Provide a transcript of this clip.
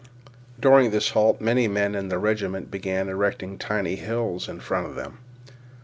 During this halt many men in the regiment began erecting tiny hills in front of them.